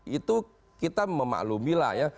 itu kita memaklumilah ya